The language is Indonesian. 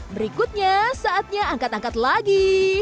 berikutnya saatnya angkat angkat lagi